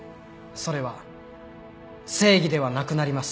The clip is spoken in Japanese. それは正義ではなくなります。